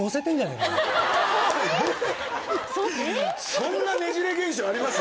そんなねじれ現象あります？